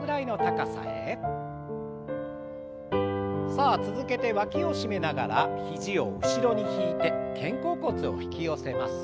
さあ続けてわきを締めながら肘を後ろに引いて肩甲骨を引き寄せます。